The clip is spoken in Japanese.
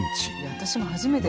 私も初めてよ。